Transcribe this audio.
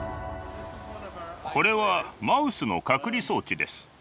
これはマウスの隔離装置です。